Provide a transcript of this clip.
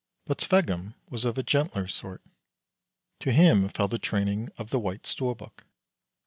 But Sveggum was of gentler sort. To him fell the training of the White Storbuk.